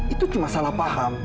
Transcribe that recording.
itu cuma salah paham